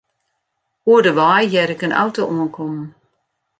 Oer de wei hear ik in auto oankommen.